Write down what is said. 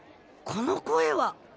この声は。